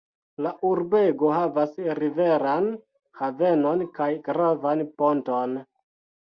La urbego havas riveran havenon kaj gravan ponton.